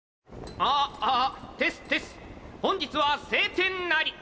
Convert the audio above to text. ああテステス本日は晴天なり！